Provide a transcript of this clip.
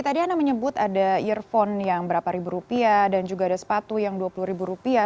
tadi anda menyebut ada earphone yang berapa ribu rupiah dan juga ada sepatu yang dua puluh ribu rupiah